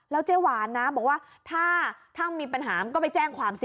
เจ๊หวานนะบอกว่าถ้ามีปัญหามันก็ไปแจ้งความสิ